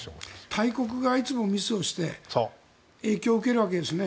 大国がいつもミスをして影響を受けるわけですね。